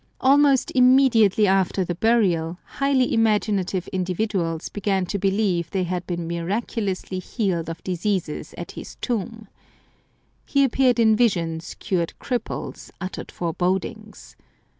Almost immediately after the burial highly imaginative individuals began to believe they had been miracu lously healed of diseases at his tomb. He appeared in visions, cured cripples, uttered forebodings.